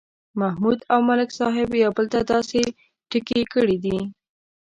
محمود او ملک صاحب یو بل ته داسې ټکي کړي دي